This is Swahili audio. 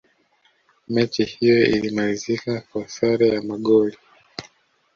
mechi hiyo ilimalizika kwa sare ya magoli